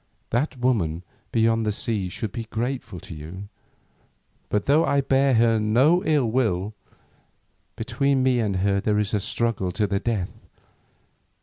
That woman beyond the seas should be grateful to you, but though I bear her no ill will, between me and her there is a struggle to the death.